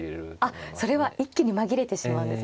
あっそれは一気に紛れてしまうんですね。